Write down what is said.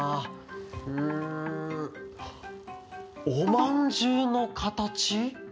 うんおまんじゅうのかたち？